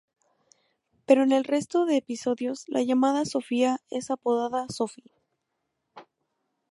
Pero en el resto de episodios, la llamada Sophia es apodada Sophie.